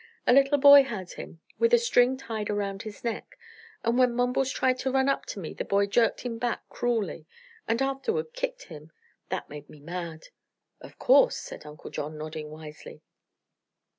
A little boy had him, with a string tied around his neck, and when Mumbles tried to run up to me the boy jerked him back cruelly and afterward kicked him. That made me mad." "Of course," said Uncle John, nodding wisely.